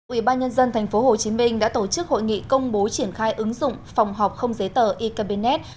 ủy ban nhân dân tp hcm đã tổ chức hội nghị công bố triển khai ứng dụng phòng họp không giấy tờ e cabinet